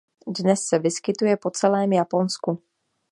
Dnes se vyskytuje po celém Japonsku.